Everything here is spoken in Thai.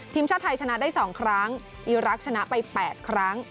ทีมชาติไทยชนะได้๒ครั้งอีรักษ์ชนะไป๘ครั้ง